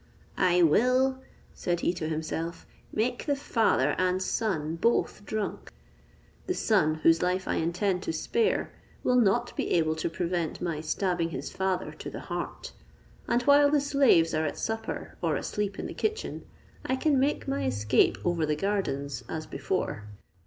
"I will," said he to himself, "make the father and son both drunk: the son, whose life I intend to spare, will not be able to prevent my stabbing his father to the heart; and while the slaves are at supper, or asleep in the kitchen, I can make my escape over the gardens as before."